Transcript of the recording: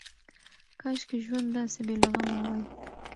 کاشکې ژوند داسې بې له غمه وای.